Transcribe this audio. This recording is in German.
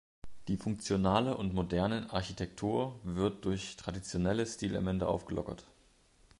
Die funktionale und modernen Architektur wird durch traditionelle Stilelemente aufgelockert.